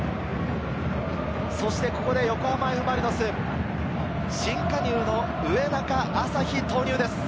そしてここで横浜Ｆ・マリノス、新加入の植中朝日投入です。